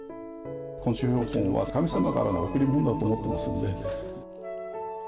昆虫標本は神様からの贈り物だと思ってますので。